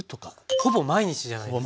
ほぼ毎日じゃないですか。